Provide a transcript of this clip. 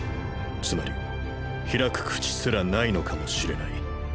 つまり「開く口」すらないのかもしれない。